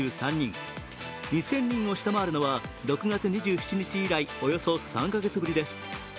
２０００人を下回るのは６月２７日以来およそ３カ月ぶりです。